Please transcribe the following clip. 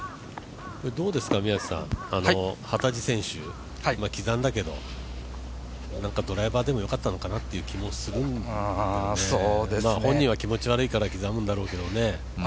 幡地選手、刻んだけど、ドライバーでもよかったのかなという気もするんだけど、本人は気持ち悪いから刻むんだろうけどね。